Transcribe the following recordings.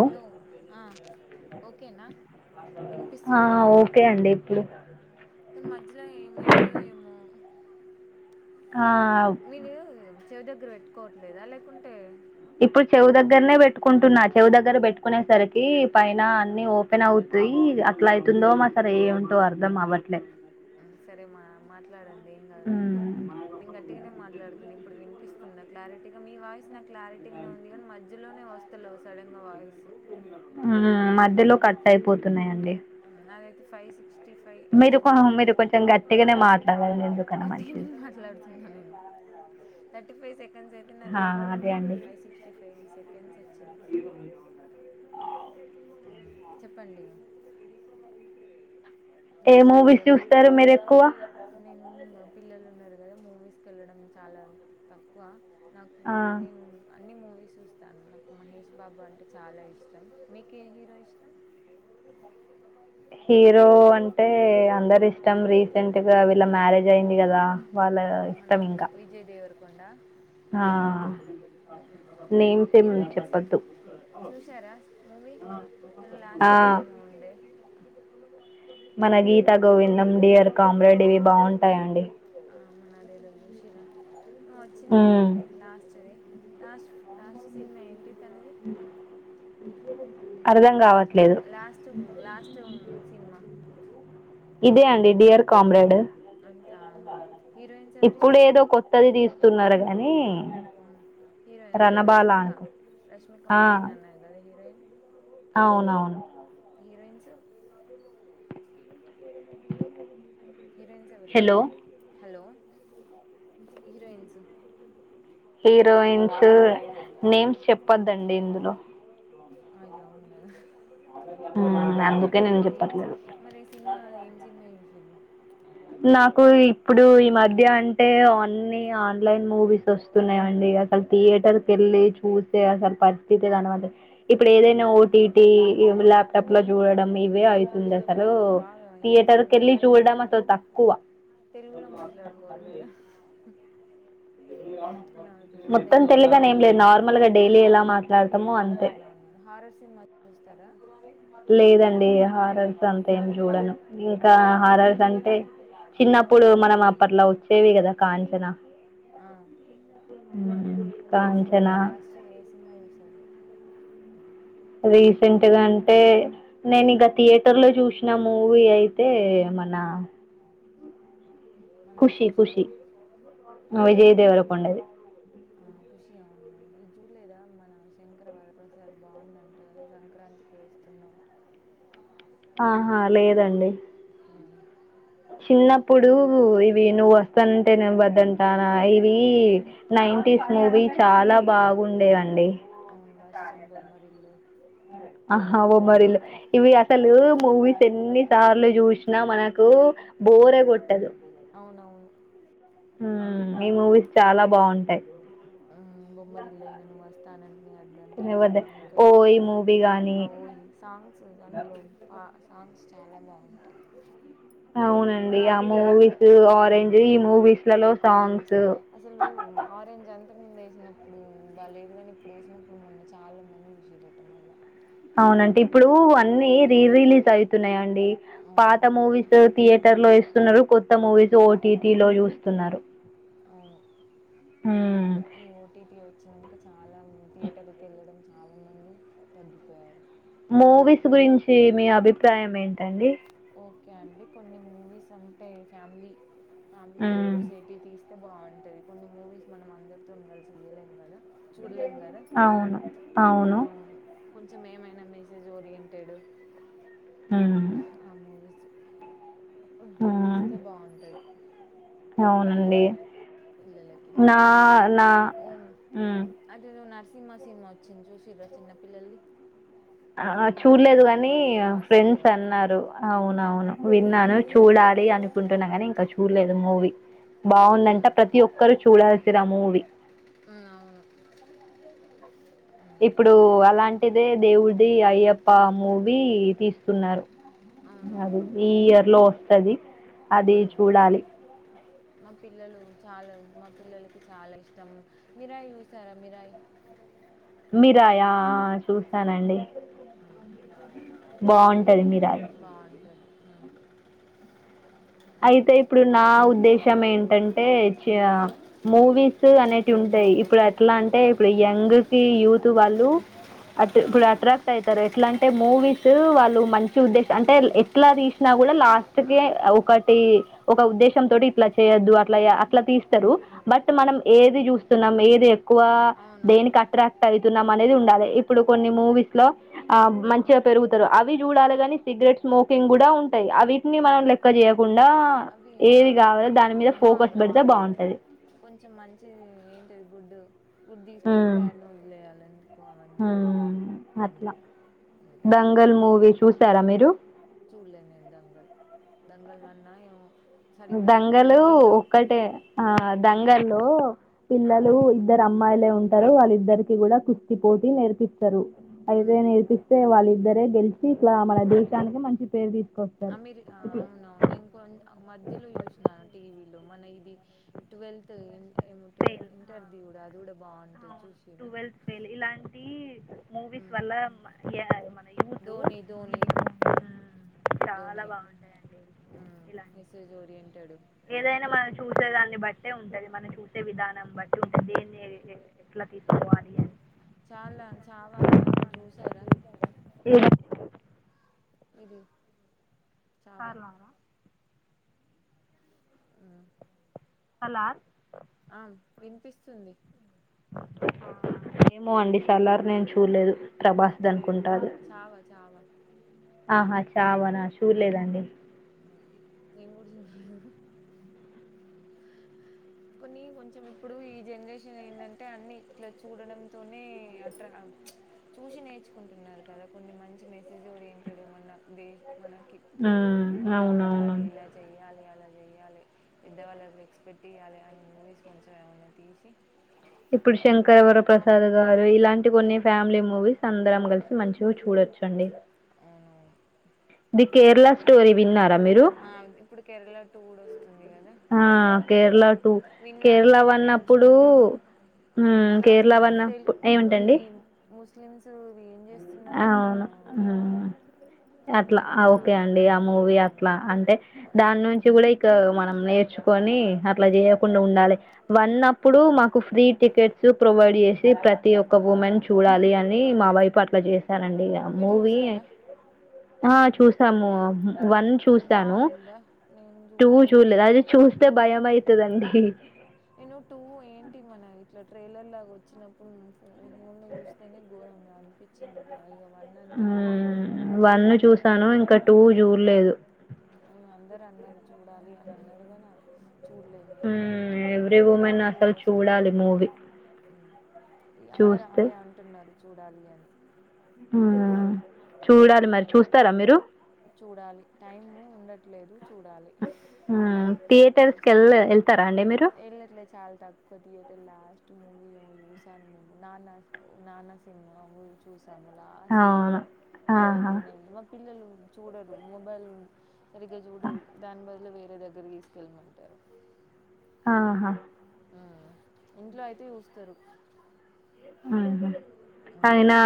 Hello ఆ ఓకేనా ఆ వినిపిస్తుందా ఇప్పుడు ఓకే అండి ఇప్పుడు కానీ మధ్యలో ఏం ఆ మీరు చెవి దగ్గర పెట్టుకోవట్లేదా లేకుంటే ఇప్పుడు చెవు దగ్గరనే పెట్టుకుంటున్నా చెవు దగ్గర పెట్టుకునే సరికి పైన అన్ని ఓపెన్ అవుతాయి అట్లా అయతుందో మా సరే ఏంటో అర్ధం అవట్లే సరే మా మాట్లాడా డండి ఏం కాదులేండి మ్మ్ నేను గట్టిగానే మాట్లాడుతున్న ఇప్పుడు వినిపిస్తుందా క్లారిటీగా మీ వాయిస్ నాకు క్లారిటీగానే ఉంది కానీ మధ్యలోనే వస్తలే సడెన్ గా వాయిస్ ఉ మధ్యలో కట్ అయిపోతున్నాయండి ఆది అయితే ఫైవ్ సి మీరు కో మీరు కొంచెం గట్టిగానే మాట్లాడండి ఎందుకన్నా గట్టిగానే మంచిది మాట్లాడుతున్నా నేను థర్టీ ఫైవ్ సేక సెకండ్స్ అయితే నాది ఆ అదే అయిపోయేది అండి ఫైవ్ సిక్స్టీ ఫైవ్ సెకండ్స్ వచ్చింది హు చెప్పండి ఇగ ఏ నేను స్టార్ట్ మూవీస్ చేయాలి చూస్తారు మీరు ఎక్కువ నేను పిల్లలు ఉన్నారు కదా మూవీస్ కి వెళ్ళడం చాలా తక్కువ నాకు ఆ నేను అన్ని మూవీ వి చూస్తాను నాకు మహేష్ బాబు అంటే చాలా ఇష్టం మీకు ఏ హీరో ఇష్టం హీరో అంటే అందరు ఇష్టం రీసెంట్ గా ఇట్లా మ్యారేజ్ అయింది కదా వాళ్ళు ఇష్టం ఇంకా కొండా ఆ ఆహా నేమ్స్ ఏం హీరోయిన్స్ చెప్పద్దు చూశారా మూవీ తన ఆ లాస్ట్ మూవీ ఏమో ఉండే మన గీతా గోవిందం, డియర్ కామ్రెడ్ ఇవి బాగుంటాయండి. ఆ మనదేదచూశిరా, వచ్చింది ఉమ్ కదండి లాస్ట్ ది లాస్ట్ లాస్ట్ సినిమా ఏంటి తన అర్ధం కావట్లే, లాస్ట్ లాస్ట్ సినిమా, ఇదే అండి డియర్ కామ్రేడ్ అంతే ఆహా హీరోయిన్స్ ఎవరు ఇష్టం, వస్తున్నారు గాని హీరోయిన్ మన రణబాల రష్మిక అనుకు రష్మిక ఆ మందని అన్నారు కదా హీరోయిన్, అవునవును హీరోయిన్స్ [unintelligible] హీరోయిన్స్ ఎవరు హలో ఇష్టం, హలో హీరోయిన్స్, హీరోయిన్ స నేమ్స్ చేపోదు, అండి ఇందులో అయ్యో అవును కాదు ఉహు వాళ్లు ఏం మరి సినిమా ఏం సినిమా చూసిర్రు, నాకు ఇప్పుడు ఈ మధ్య అంటే అన్ని ఆన్లైన్ మూవీస్ వస్తున్నాయండి, అసలు థియేటర్కి వెళ్ళి చూసే అసలు పరిస్థితి కనబడ, ఇప్పుడు ఏదైనా ఓటీటి ఇ లాప్టాప్ లో చూడడం ఇవి ఇగా అయితుంది అసలు బాగా ఏం థియేటర్ సినిమాలు కెళ్ళి మనం చూడం అసలు తక్, తెలుగులో మాట్లాడుకోవాలి కదా. మన మొత్తం దయ్యాల సినిమా తెలుగనే ఏం లేదు, నార్మల్ గా డైలీ ఎలా మాట్లాడుతున్నము, అంతే హర్రర్ సినిమా చూస్తారా. నేను జూడను. ఇంకా అన్నీ అమెజాన్ హారర్స్ అంటే ఆ చిన్నప్పుడు మనం అప్పట్లో, వచ్చేవి కదా కాంచనా, ఆ ఉ రీసెంట్ గా లాస్ట్ లో ఏ సినిమా చూసారు. రీసెంట్గా అంటే నేను ఇంకా థియేటర్ లో చూసిన మూవీ అయితే, మన మనది ఖుషి చూసారా ఖుషి ఖుషి విజయదేవరకొండది. ఆ ఖుషి అవును ఈ చూలేదా మన శంకర వరప్రసాద్ బాగుందంట కదా సంక్రాంతికి వస్తున్నాం ఆహా లేదండి. ఉమ్ చిన్నప్పుడు ఇవి నువ్వు వస్తాంటే నేను వద్దంటానా ఇవి ఉమ్. నైన్ంటిస్ మూవీ చాలా బా బాగుండే అండి అవును వర్షం బొమ్మరిల్లు ఆహా బొమ్మరిల్లు ఇవి అసలు మూవీస్ ఎన్ని సార్లు చూశినా మనకు బోరే అవును కొట్టదు అవునవును ఉ ఈ మూవీస్ చాలా బాగుంటాయి ఆ బొమ్మరిల్లు అయిన నువ్వు వస్త్ తన వద్దంటే తినవద్ద నేనే ఇంకా ఓ ఈ మూవీ కానీ ఆ ఓయ్ సాంగ్స్ అందులో పా అమ్స్ చాలా బాగుంటాయి అవునండి ఆ మూవీస్ ఆరెంజ్ ఈ మూవీస్ ఆరెంజ్ అసలు ఆరెంజ్ అం ఇ ముందు వేసినప్పుడు బాగాలేదు కాని ఇప్పుడు వేసినప్పుడు మొన్న చాలా మంది చూసడటం మళ్ళ అవునండి ఇప్పుడు అన్నీ రీ రిలీజ్ అయితున్నాయండి పాత అవునవునవును మూవీస్ థియేటర్ లో ఇస్తున్నారు కొత్త మూవీస్ ఓటీటీ లో చూస్తున్నారు అవును మ్మ్ ఈ ఓటీపీ ఓ వచ్చినాక చాలా థియేటర్కి వెళ్ళడం చాలా మంది తగ్గిపోయారు మూవీస్ గురించి మీ అభిప్రాయం ఏంటండి ఓకే అండి కొన్ని మూవీస్ అంటే ఫ్యామిలీ అమితోని మ్మ్ చూసేటి తీస్త అయితే బాగుంటది కొన్ని మూవీస్ మనం అందరితో ఉ కలిసి రియల్ం కదా చూడలేం కదా అవును అవును కొంచెం మేమైన మెసేజ్ ఓరియంటెడ్దు ఊ ఉ తీస్తే బాగుంటది అవునండి పిల్లలకి మన నా ఇది నా ఉ సినిమా సినిమా వచ్చింది చూసిరా చిన్నపిల్లల్ది ఆ చూలేదు కాని ఫ్రెండ్స్ వాసుదేవాయ అని అన్నారు వస్తుంది అవునవును ఉమ్. విన్నాను చూడాలి అనుకుంటున్నా కాని ఇంకా చూ చూలేదుమూవి బౌందంట ఉమ్. ప్రతి ఒక్కరు చూడాల్సి ఇదా మూవి ఉ అవును ఇప్పుడు అలాంటిదే దేవుడిది అయ్యప్ప మూవీ తీస్తున్నారు అవునవును అది ఈ ఇయర్ లోపాల టది అది ఉమ్. చూడాలి మా పిల్లలు చాలా మా పిల్లలకి చాలా ఇష్టం మిరాయి చూసారా మిరాయి మీరాయా ఆ చూస్తానండి మిరాయి బాగుంటది మిరియా బాగుంటుంది ఉమ్. అన్నీ అయితే ఇప్పుడు నా ఉద్దేశం ఏంటంటే మూవీస్ అనేటి ఉంటాయి ఇప్పుడు ఎట్లా అంటే ఇప్పుడు యంగ్ కి యూత్ వాళ్ళు అ ఇప్పుడు అట్రాక్ట్ అవుతారు ఎట్లా అంటే మూవీస్ వాళ్ళు మంచి ఉద్దేశం అంటే ఎట్లా తీసినా కూడా లాస్ట్క ఒక టి ఒక ఉద్దేశం తోటి ఇట్లా చేయొద్దు అట్లా అట్లా తీస్తారు బట్ మనం ఏది చూస్తున్నాం ఏ క్కువ అవునవును దేనికి అట్రాక్ట్ ఐ తున్నామానేది ఉండాలి ఇప్పుడు కొన్ని మూవీస్ లో ఆ మంచిగా పెరుగుతారు అవి చూడాలి కాని సిగరెట్ స్మోకింగ్ కూడా ఉంటాయి అవి నీ అవును మనంలక్క జయ అవి ఆ కా మీద ఫోకస్ కామన్ పెడితే బాగుంటది కొంచెం మంచిది ఏంటిది గుడ్డు ఇప్పుడు తీసుకొని బ్యాడ్ నోలు వయాలండి ఆ అట్లా ఉమ్, దంగల్ మూవీ చూసారా మీరు చూడలే నేను దంగల్ దంగల్ వన్ ఆ ఏమో సరిగ్గా అంటే దంగలు మిడిల్లో ఒక్కటే ఆ ఉమ్, దంగల్లో పిల్లలు ఇద్దరు అమ్మాయిలే ఉంటారు వాళ్ళి ఇద్దరికి కూడా కుస్తి పోటీ నేర్పిస్తారు అయితే ఉమ్. నేర్పిస్తే వాళ్ళ ఇద్దరే గెలిచి ఇట్లా మన దేశానికి మంచి పేరు తీస్ అమెరిక అవునవును ఇంక మ హిందీలో చూసిన టీవలో మన ఇది ట్వెల్త్ ఏము ఇంటర్వ్యూ కూడా అది బాగుంటుంది చూసిరా ట్వెల్త్ ఫైల్ ఇలాంటి మూవీస్ ఉమ్. వల్ల మన యూత్ ధోని ధోని చాలా ధోని బాగుంటాయండి ఇలాంటి మెసేజ్ ఓరియంటెడ్ ఏదైనా మన చూసే దాన్ని బట్టే ఉంటంది మనం చూసే విధానం బట్టి ఉ దేన్ని ఏ ట్ల తీయాలి చాలా చావాన్నా ఏమో చూసారా [unintelligible] ఇది చావా సర్లామ ఉ హలా ఆ వినిపిస్తుంది మో అండి సల్లర్ నేన్ చూలేదు ప్రభాస్ చ ద నుకుంటారు చావా చావా ఆహా చావనా చూలేదండి నేను కూడా చూడలే కొన్ని కొంచెం ఇప్పుడు ఈ జనరేషన్ ఏంటంటే అన్ని ఇట్లా చూడడంతోనే అట్రా చూసి నేర్చుకుంటున్నారు కదా కొన్ని మంచి మెసేజ్ ఓరియంటెడ్ ఏమన్నా బేస్ మనకి ఉమ్, ఇలా అవునవును ఉండాలి ఇలా చెయ్యాలి అలా చెయ్యాలే పెద్దవాళ్ళు క్ రెక్స్పెక్ట్ ఇయ్యాలి అని మూవీస్ కొంచెం ఏమన్నా తీసి ఇప్పుడు శంకరవర ప్రసాద్ గారు ఇలాంటి కొన్ని ఫ్యామిలీ మూవీస్ అందరం కలిసి మంచిగా చూడొచ్చండి అవునవును ది కేరళ స్టోరి విన్నర ఆ ఇప్పుడు కేరళ టూ గుడ వస్తుంది కదా ఆ, కేరళ టూ కేరళ విన్నానుకని వన్ నేను అప్పుడు చూడలేదు అ ఉమ్, మన కేరళ వన్ తెలు అప్పు ఈ ఏమిటండి ము క్లిన్స్ అవును మ్, ఉమ్ అట్లా ఇప్పుడు చా ఓకే అండి ఆ మూవీ అ ట్లా అ దాని నుంచి కూడా మనం నేర్చుకొని అట్లా చేయకుండా ఉండాలే వన్నప్పుడు మాకు ఫ్రీ టికెట్స్ ప్రొవైడ్ చేసి ప్రతి ఒక్క ఉమెన్ చూడాలి అని మా వైప్ పట్లజేస్ సానండి ఇగ మీరు మూవీ చూసారా ఆ చూసాము వన్ చూసాను బాగుందా నేను టూ చూడలేదు అది అసలకి చూస్తే భయం అవుతుందండి నేను టూ ఏంటి మన ఇట్లా ట్రైలర్ లాగా వచ్చినప్పుడుం ఫోన్ ల చూస్తేనే ఘోరంగా అనిపించింది ఇక ఇక వన్ అంటే వన్ నే చూసాను ఇంకా టూ చూడలేదు అవును అందరు అన్నారు చూడాలి అని అన్నారు గని చూడలేదు నేను Kerala one every Kerala women two అసలు గూడా వస్తుంది చూడాలి మూవీ ఉమ్ ఇగ అందరు చూస్తే అదే అంటున్నారు చూడాలి ఇగ అని ఉమ్ చూడాలి మరి చూస్తారా మీరు చూడాలి టైము ఉండట్లేదు చూడాలి మ్మ్ థియేటర్స్ కి చూస్తా వెళ్ళ వెళ్తారా అండి మీరు ఎళ్ళట్లేదు చాలా తక్కువ థియేటర్ లా మూవి లో చూసాన్ నిన్ నాన్న ఉ నానా సినిమా చూస్ అమ్మ లాస్ట్ అవును ఆహా పిల్లలతోని ఎల్లి చూడరు మొబైల్ సరిగ్గా చూడరు దాని బదులు వే వేరే దగ్గరికి తీసుకెళ్ళమంటారు ఆహా ఉమ్ ఇంట్లో అయితే చూస్తారు ఉహు ఉమ్. అయినా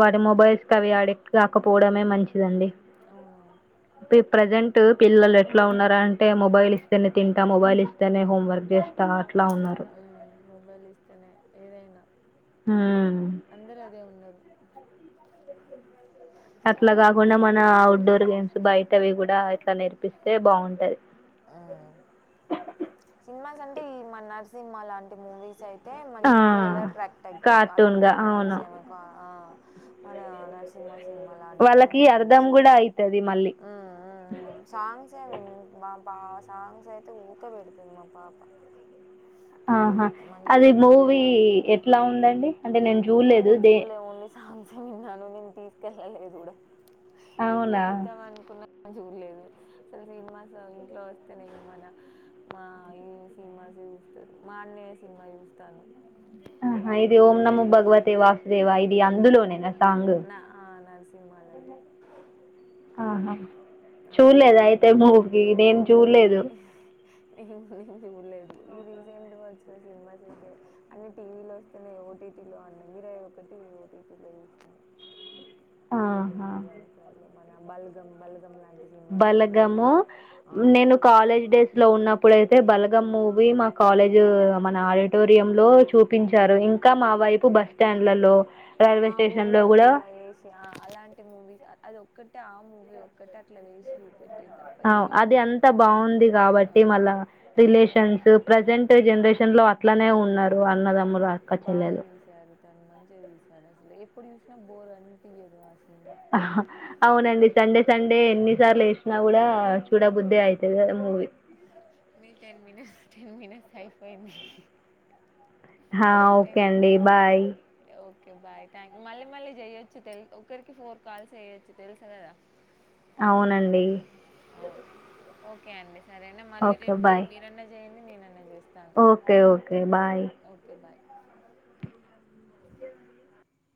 వాడి మొబైల్స్ కవి అడిక్ట్ కాకపోవడమే మంచిదండి. అవునవును పె ప్రజెంట్ పిల్లలు ఎట్లా ఉన్నారంటే, మొబైల్ ఇస్తేనే తింటా. మొబైల్ ఇస్తేనే హోంవర్క్ చేస్తా. అట్లా ఉన్నారు మ్ మొబైల్ ఇస్తేనే ఏదైనా! మ్మ్ అందరు అదే ఉన్నరు. అట్లా చాలా మంది కాకుండా మన ఔట్డోర్ గేమ్స్ బయ్ టవి గూడా ఇట్ల నేర్పిస్తే బాగుంటది. ఆఁ మాస్ అంటే ఈ మా నరసింహ లాంటి మూవీస్ అయి తే మం ఆ పిల్లలు అట్రాక్ట్ అయితరు కార్టూన్ అలాంటి గా మూవీస్ అవును ఏమ కా ఆఁ మనా నరసింహ సినిమా లాంటివి వాళ్ళకి ఏమన్న అర్థం మూవీస్ కూడా చూస్తే అయితది మళ్ళీ మ్ మ్ఁ సాంగ్స్ ఏం బా సాంగ్స్ అయితే ఊకే పెడు తది మా పాప ఆఁ హా అది మంచిగా మ్మ్ మూవీ ఎట్లా ఉందండి? అంటే నేను చూడ్లేదు దే సాంగ్సే విన్నాను నేను తీసుకెళ్ళలేదు కూడ. ఇంట్లో అవునా చూద్దం అనుకున్న నే చూడ్లేదు అసలు సినిమాస్ ఇంట్లో వస్తేనే ఇగ మన మా ఈ సినిమాస్ చూస్తారు మా అన్నయ సినిమా చూస్తాను. ఆఁ హా ఇది బాగుంటుంది ఓం న అప్పుడు మో భగవతే వాసుదేవ ఇది అందులోనే నా సాంగ్! హాలదే ఆహా నరసింహ సినిమా చూడలేదు అయితే మూవీ నేన్ నేను జూడ్లే చూడలేదు మూవీ నేను జూడ్లేదు. ఈ రీసెంట్ గా వచ్చిన సినిమాసైతే అన్ని టీవీ లో వస్తేనే ఓటీ టి లో అండి మీరాయి ఒకటి ఒటీటి లో జూసినా. ఆఁ హా బల్గం బల్గం లాం బలగము నేను కాలేజ్ డేస్ లో ఉన్నప్పుడుయితే బలగం మూవీ మా కాలేజు మన ఆడిటోరియం లో చూ పించారు ఇంకా మా వైపు బస్ స్టాండ్లలో రైల్వే ఆఁ స్టేషన్ లో ఊర్లలో కూడా ఇలా వేసి ఆఁ అలాంటి మూవీస్ అది ఒక్క టి ఆ మూవీ ఒకటి అది ఆ అంతా బాగుంది కాబట్టి మళ్ళా అవును రిలేషన్స్ ప్రజెంట్ జనరేషన్ లో అట్లనే ఉన్నారు అన్నదమ్ములు అక్క బాగా చెలలు తీశారు మంచిగా తీసారు అసలు ఎప్పుడూ చూసినా బోర్ అనిపియదు అసలు ఆహా అవునండి సండే సండే దే ఎన్ని సార్లు వేసినా కూడా చూడబుద్ద్దే అయితది ఆ మూవీ మీ టెన్ మనిట్స్ టెన్ మనిట్స్ అయిపోయింది హా ఓకే టెన్ అండి బాయ్ ఓకే బాయ్ థ్యాంక్ మళ్ళీ మళ్ళీ చెయొచ్చు ఒకరికి ఫోర్ కాల్స్ చెయ్యొచ్చు తెలుసు కదా అవునండి ఓకే అండి సరేనా మళ్ళీ ఓకే రేపు బాయ్ మీరన్నా చేయండి నేనన్నా చేస్తాను okay okay bye okay bye